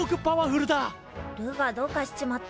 ルーがどうかしちまった。